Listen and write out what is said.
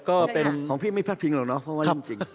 ก็เป็นของพี่ไม่พลาดพิงหรอกเนาะเพราะว่าเรื่องจริง